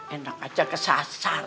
enak aja kesasar